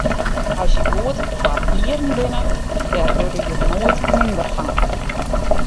As je goed foar dieren binne, dêr wurde je noait minder fan.